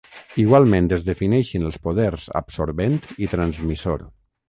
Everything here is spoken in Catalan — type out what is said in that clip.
Igualment es defineixen els poders absorbent i transmissor.